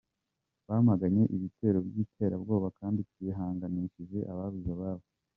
Twamaganye ibitero by’iterabwoba kandi twihanganishije ababuze ababo.